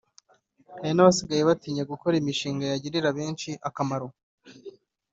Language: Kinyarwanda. Hari n’abasigaye batinya gukora imishinga yagirira benshi akamaro